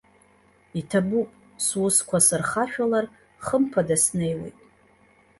Иҭабуп, сусқәа сырхашәалар, хымԥада снеиуеит.